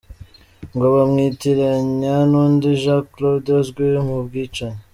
Ngo bamwitiranya n’undi Jean Claude uzwi mu bwicanyi